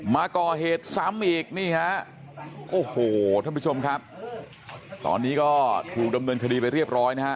มาก่อเหตุซ้ำอีกนี่ฮะโอ้โหท่านผู้ชมครับตอนนี้ก็ถูกดำเนินคดีไปเรียบร้อยนะฮะ